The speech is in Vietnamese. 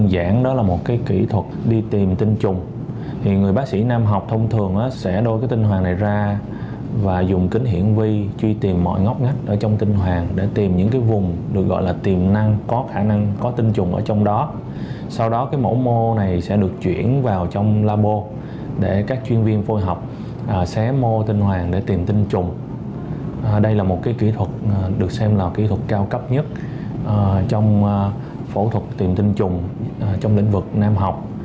đây là một kỹ thuật được xem là kỹ thuật cao cấp nhất trong phẫu thuật tìm tinh trùng trong lĩnh vực nam học